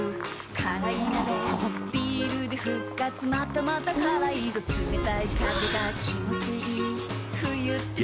辛い鍋ビールで復活またまた辛いぞ冷たい風が気持ちいい冬って最高だ